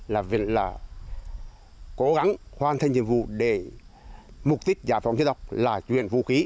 là quyền là cố gắng hoàn thành nhiệm vụ để mục đích giả phóng chế độc là chuyển vũ khí